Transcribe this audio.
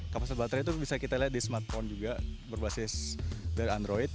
kapasitas baterai itu bisa kita lihat di smartphone juga berbasis dari android